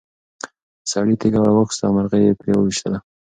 سړي تیږه راواخیسته او مرغۍ یې پرې وویشتله.